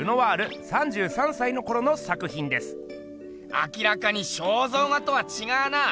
明らかに肖像画とはちがうな。